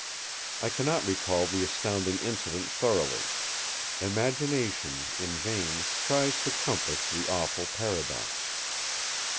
I cannot recall the astounding incident thoroughly. Imagination in vain tries to compass the awful paradox.